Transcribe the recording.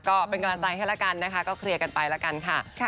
ก็เป็นกำลังใจให้ละกันนะคะก็เคลียร์กันไปแล้วกันค่ะ